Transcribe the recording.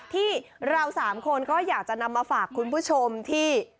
ที่เราสามคนก็อยากจะนำมาฝากคุณผู้ชมที่